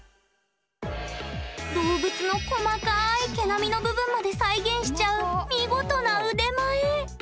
動物の細かい毛並みの部分まで再現しちゃう見事な腕前！